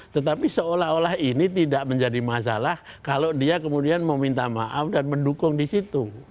tetapi seolah olah ini tidak menjadi masalah kalau dia kemudian meminta maaf dan mendukung di situ